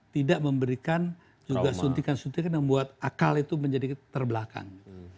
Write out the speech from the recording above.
tidak memberikan juga suntikan suntikan yang membuat akal itu menjadi terbelakang